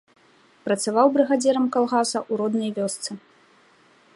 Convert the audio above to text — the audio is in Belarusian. Працаваў брыгадзірам калгаса ў роднай вёсцы.